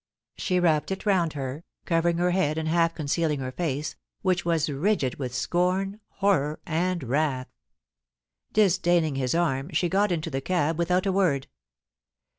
She ^Tapped it round her, covering her head and half con cealing her face, which was rigid with scorn, horror, and wrath. Disdaining his arm, she got into the cab without a word.